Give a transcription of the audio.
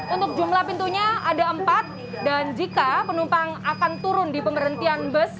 untuk jumlah pintunya ada empat dan jika penumpang akan turun di pemberhentian bus